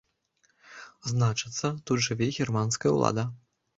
Значыцца, тут жыве германская ўлада!